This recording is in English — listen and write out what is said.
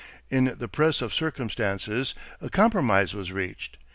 In the press of circumstances, a compromise was reached.